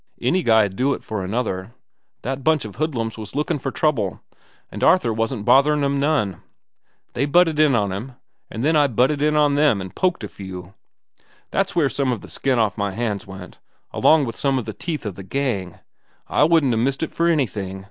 "Any guy 'ud do it for another. That bunch of hoodlums was lookin' for trouble, an' Arthur wasn't botherin' 'em none. They butted in on 'm, an' then I butted in on them an' poked a few. That's where some of the skin off my hands went, along with some of the teeth of the gang. I wouldn't 'a' missed it for anything.